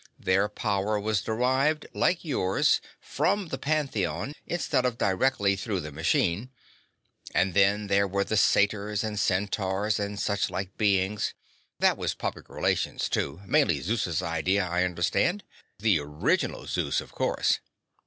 Their power was derived, like yours, from the Pantheon instead of directly through the machine. And then there were the satyrs and centaurs, and suchlike beings. That was public relations, too mainly Zeus' idea, I understand. The original Zeus, of course."